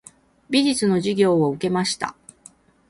美術の授業を受けました。